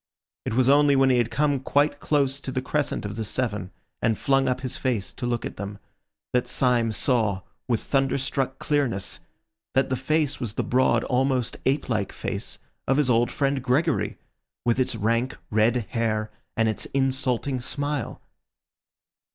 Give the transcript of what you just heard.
It was only when he had come quite close to the crescent of the seven and flung up his face to look at them, that Syme saw, with thunder struck clearness, that the face was the broad, almost ape like face of his old friend Gregory, with its rank red hair and its insulting smile.